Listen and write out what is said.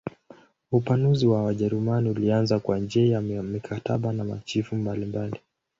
Upanuzi wa Wajerumani ulianza kwa njia ya mikataba na machifu mbalimbali.